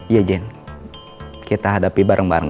iya jen kita hadapi bareng bareng